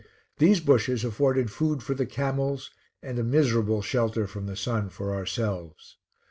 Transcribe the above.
These bushes afforded food for the camels, and a miserable shelter from the sun for ourselves.